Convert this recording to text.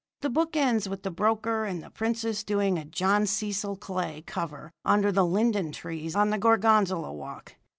The book ends with the broker and the princess doing a John Cecil Clay cover under the linden trees on the Gorgonzola Walk.